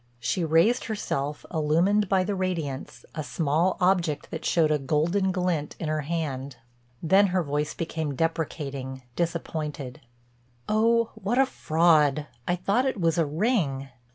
She raised herself, illumined by the radiance, a small object that showed a golden glint in her hand. Then her voice came deprecating, disappointed: "Oh, what a fraud! I thought it was a ring."